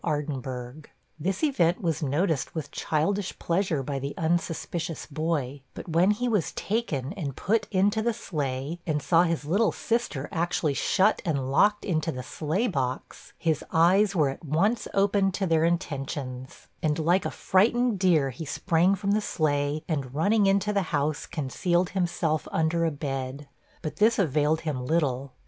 Ardinburgh. This event was noticed with childish pleasure by the unsuspicious boy; but when he was taken and put into the sleigh, and saw his little sister actually shut and locked into the sleigh box, his eyes were at once opened to their intentions; and, like a frightened deer he sprang from the sleigh, and running into the house, concealed himself under a bed. But this availed him little.